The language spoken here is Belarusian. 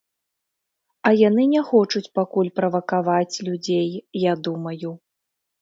А яны не хочуць пакуль правакаваць людзей, я думаю.